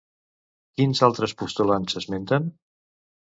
Quins altres postulants s'esmenten?